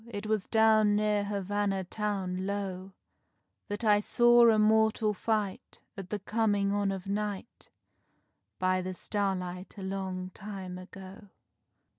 It was down near Havanna town, low, That I saw a mortal fight, At the coming on of night, By the starlight a long time ago.